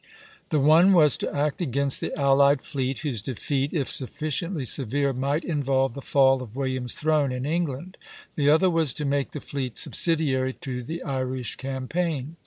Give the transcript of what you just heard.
The one was to act against the allied fleet, whose defeat, if sufficiently severe, might involve the fall of William's throne in England; the other was to make the fleet subsidiary to the Irish campaign.